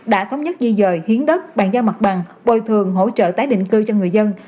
đã thống nhất di dời hiến đất bàn giao mặt bằng bồi thường hỗ trợ tái định cư cho người dân